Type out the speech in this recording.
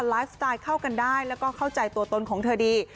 ไลฟ์สไตล์เข้ากันได้แล้วก็เข้าใจตัวตนของเธอดี